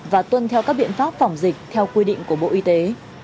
và tuân theo các biện pháp phòng dịch theo quy định của bộ y tế